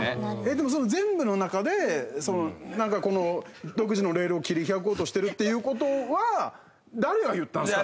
でもその全部の中でなんかこの独自のレールを切り開こうとしてるっていう事は誰が言ったんですか？